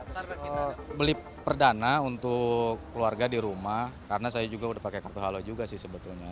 ntar beli perdana untuk keluarga di rumah karena saya juga udah pakai kartu halo juga sih sebetulnya